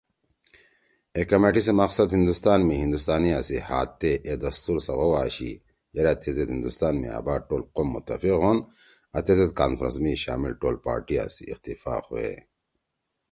اے کمیٹی سی مقصد ہندوستان می ہندوستانیآ سی ہات تے اے دستور سوَؤ أشی یرأ تیزید ہندوستان می آباد ٹول قوم متفق ہوَن یا تیزید کانفرنس می شامل ٹول پارٹیاں سی اتفاق ہوئے